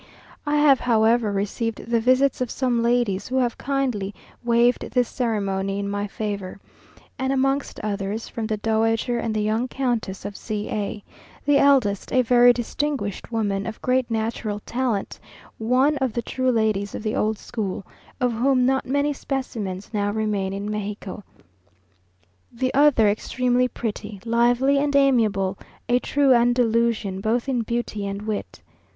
I have, however, received the visits of some ladies who have kindly waived this ceremony in my favour; and amongst others, from the Dowager and the young Countess of C a; the eldest a very distinguished woman, of great natural talent, one of the true ladies of the old school, of whom not many specimens now remain in Mexico; the other extremely pretty, lively, and amiable, a true Andalusian both in beauty and wit.